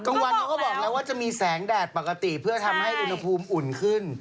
กลางวันเขาก็บอกแล้วว่าจะมีแสงแดดปกติเพื่อทำให้อุณหภูมิอุ่นขึ้น